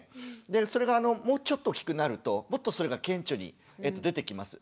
でそれがもうちょっと大きくなるともっとそれが顕著に出てきます。